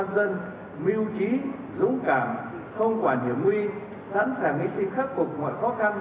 với chủ đề bảy mươi năm năm sáng mãi nổi tin